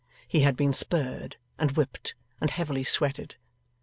He had been spurred and whipped and heavily sweated.